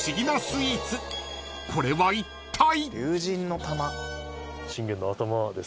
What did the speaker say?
［これはいったい］